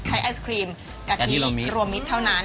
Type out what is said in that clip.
ใช้ไอศครีมกะทิรวมมิตรเท่านั้นนะคะ